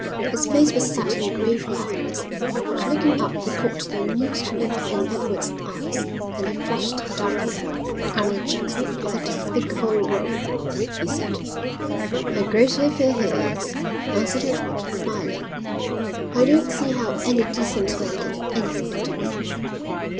His face was set in grave lines. But looking up he caught the amused look in Edward's eyes, and he flushed darkly. "Arnold Jackson is a despicable rogue," he said. "I greatly fear he is," answered Edward, smiling. "I don't see how any decent man can have anything to do with him."